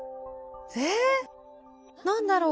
えっ何だろう？